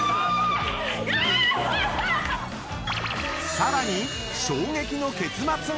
［さらに衝撃の結末が！］